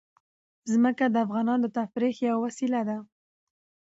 ځمکه د افغانانو د تفریح یوه وسیله ده.